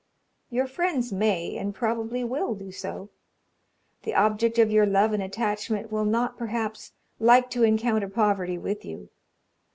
Your friends may, and probably will, do so the object of your love and attachment will not, perhaps, like to encounter poverty with you.